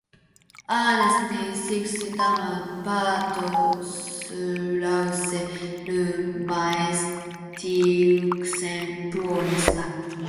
Äänestin siksi tämän päätöslauselmaesityksen puolesta.